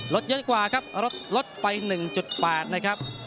รถเยอะกว่าครับลดไป๑๘นะครับ